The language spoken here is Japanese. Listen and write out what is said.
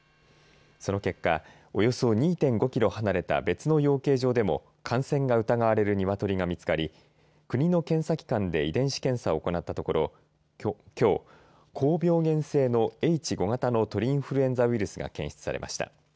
その結果、およそ２．５キロ離れた別の養鶏場でも感染が疑われるニワトリが見つかり国の検査機関で遺伝子検査を行ったところきょう、高病原性のＨ５型の鳥インフルエンザウイルスが検出されました。